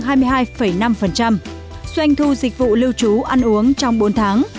khách đến từ châu âu tăng một mươi hai năm doanh thu dịch vụ lưu trú ăn uống trong bốn tháng